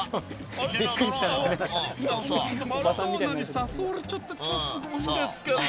これちょっとすごいんですけど。